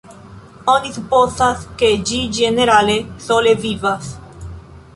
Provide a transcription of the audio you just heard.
Oni supozas ke ĝi ĝenerale sole vivas.